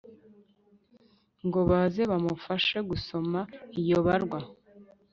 ngo baze bamufashe gusoma iyo barwa